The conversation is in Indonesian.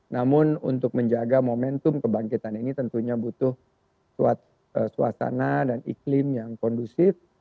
namun untuk menjaga momentum kebangkitan ini tentunya butuh suasana dan iklim yang kondusif